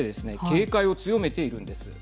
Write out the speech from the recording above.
警戒を強めているんです。